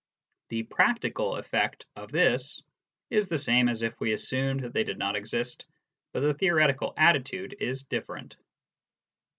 The practical effect of this is the same as if we assumed that they did not exist, but the theoretical attitude is different.